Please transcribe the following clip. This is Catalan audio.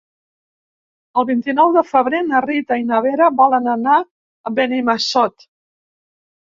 El vint-i-nou de febrer na Rita i na Vera volen anar a Benimassot.